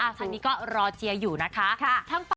ทางนี้ก็รอเชียร์อยู่นะคะ